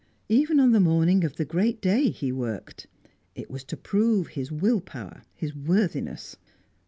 Even on the morning of the great day he worked; it was to prove his will power, his worthiness.